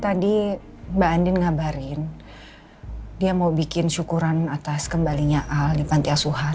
tadi mbak andin ngabarin dia mau bikin syukuran atas kembalinya al di panti asuhan